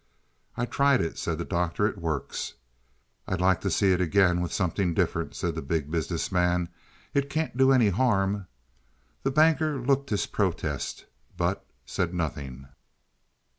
"I tried it," said the Doctor. "It works." "I'd like to see it again with something different," said the Big Business Man. "It can't do any harm." The Banker looked his protest, but said nothing.